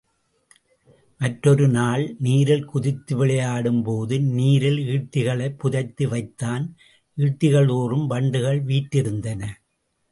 மற்றொரு நாள் நீரில் குதித்து விளையாடும் போது நீரில் ஈட்டிகளைப் புதைத்து வைத்தான், ஈட்டிகள் தோறும் வண்டுகள் வீற்றிருந்தன.